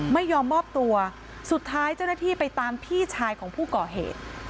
ไม่ยอมมอบตัวสุดท้ายเจ้าหน้าที่ไปตามพี่ชายของผู้ก่อเหตุ